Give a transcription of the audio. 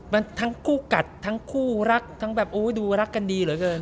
มันทั้งคู่กัดทั้งคู่รักทั้งแบบโอ้ยดูรักกันดีเหลือเกิน